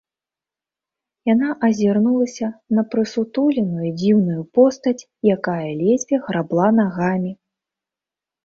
Яна азірнулася на прысутуленую дзіўную постаць, якая ледзьве грабла нагамі.